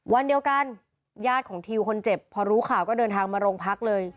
วันเดียวกันญาติของทิวคนเจ็บพอรู้ข่าวก็เดินทางมาโรงพักเลย